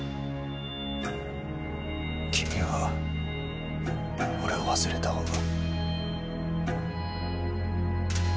君は俺を忘れた方が。